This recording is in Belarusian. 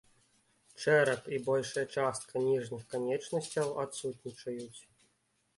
Чэрап і большая частка ніжніх канечнасцяў адсутнічаюць.